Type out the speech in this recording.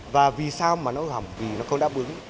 và vì sao mà nó hỏng vì nó không đáp ứng